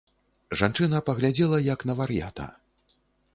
Жанчына паглядзела, як на вар'ята.